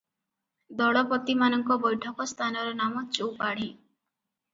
ଦଳପତିମାନଙ୍କ ବୈଠକ ସ୍ଥାନର ନାମ ଚୌପାଢ଼ୀ ।